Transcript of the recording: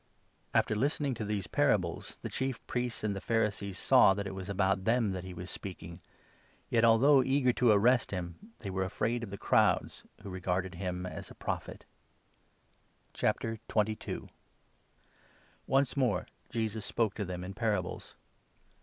After listening to these parables, the Chief Priests and the 45 Pharisees saw that it was about them that he was speaking ; yet, although eager to arrest him, they were afraid of the 46 crowds, who regarded him as a Prophet. Once more Jesus spoke to them in parables.